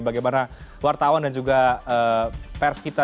bagaimana wartawan dan juga pers kita